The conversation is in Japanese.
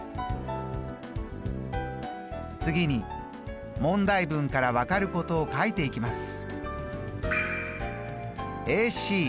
次に問題文から分かることを書いていきます。